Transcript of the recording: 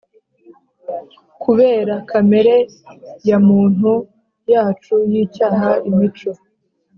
kubera kamere yamuntu yacu yicyaha imico